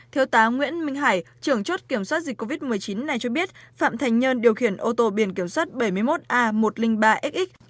thiếu tá nguyễn minh hải trưởng chốt kiểm soát dịch covid một mươi chín này cho biết phạm thành nhơn điều khiển ô tô biển kiểm soát bảy mươi một a một trăm linh ba xx